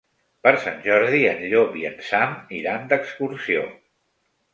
Per Sant Jordi en Llop i en Sam iran d'excursió.